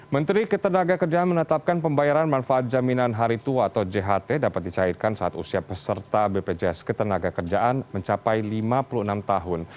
menteri ketenaga kerjaan menetapkan pembayaran manfaat jaminan hari tua atau jht dapat dicairkan saat usia peserta bpjs ketenaga kerjaan mencapai lima puluh enam tahun